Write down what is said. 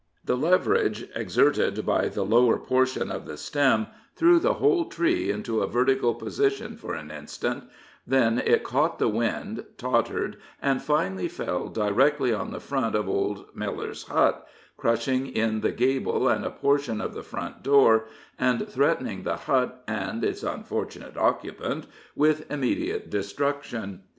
The leverage exerted by the lower portion of the stem threw the whole tree into a vertical position for an instant; then it caught the wind, tottered, and finally fell directly on the front of old Miller's hut, crushing in the gable and a portion of the front door, and threatening the hut and its unfortunate occupant with immediate destruction.